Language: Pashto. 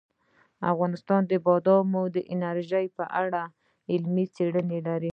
افغانستان د بادي انرژي په اړه علمي څېړنې لري.